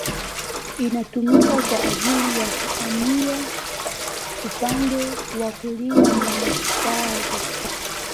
Inatumika kwa ajili ya kuhamia upande wa kulia mwa mstari.